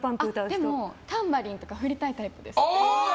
でも、タンバリンとか振りたいタイプです。